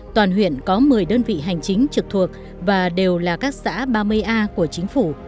toàn huyện có một mươi đơn vị hành chính trực thuộc và đều là các xã ba mươi a của chính phủ